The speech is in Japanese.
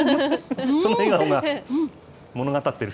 笑顔が物語ってる。